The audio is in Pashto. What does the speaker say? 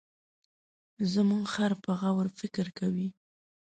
زموږ خر په غور فکر کوي.